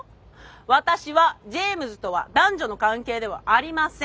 私はジェームズとは男女の関係ではありません！